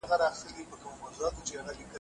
ډاکټر د باس طریقه تشریح کړه.